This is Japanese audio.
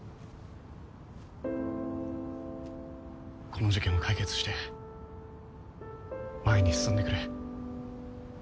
この事件を解決して前に進んでくれ。